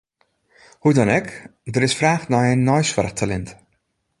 Hoe dan ek, der is fraach nei nij neisoarchtalint.